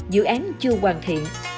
dự án chưa hoàn thiện